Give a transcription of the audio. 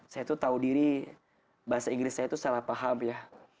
saya tuh tahu diri bahasa inggris saya itu salah paham ya